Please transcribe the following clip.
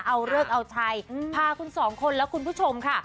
เอาเลิกเอาชัยพาคุณสองคนและคุณผู้ชมค่ะ